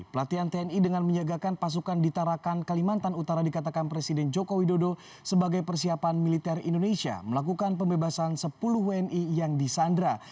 pelatihan tni dengan menyiagakan pasukan ditarakan kalimantan utara dikatakan presiden joko widodo sebagai persiapan militer indonesia melakukan pembebasan sepuluh wni yang disandra